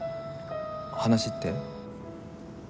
話って？